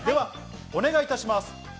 お願いいたします。